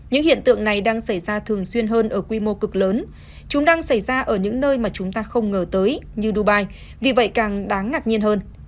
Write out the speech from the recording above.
những hiện tượng này đang xảy ra thường xuyên hơn ở quy mô cực lớn chúng đang xảy ra ở những nơi mà chúng ta không ngờ tới như dubai vì vậy càng đáng ngạc nhiên hơn